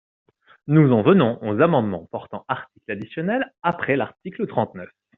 Nous en venons aux amendements portant articles additionnels après l’article trente-neuf.